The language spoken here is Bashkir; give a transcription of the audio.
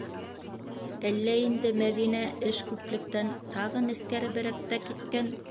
Әллә инде Мәҙинә эш күплектән тағы нескәреберәк тә киткән?